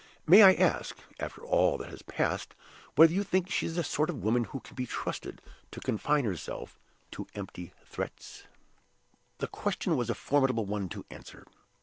May I ask, after all that has passed, whether you think she is the sort of woman who can be trusted to confine herself to empty threats?" The question was a formidable one to answer.